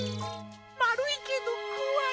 まるいけどこわい。